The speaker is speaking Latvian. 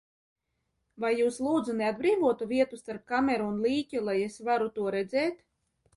Vai jūs, lūdzu, neatbrīvotu vietu starp kameru un līķi, lai es varu to redzēt?